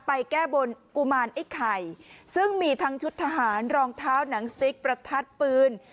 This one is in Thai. แก้บนกุมารไอ้ไข่ซึ่งมีทั้งชุดทหารรองเท้าหนังสติ๊กประทัดปืน